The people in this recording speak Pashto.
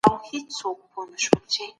د يو ښايستې سپيني كوتري په څېر